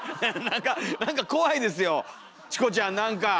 何か何か怖いですよチコちゃん何か！